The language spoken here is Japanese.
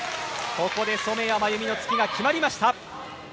ここで染谷真有美の突きが決まりました。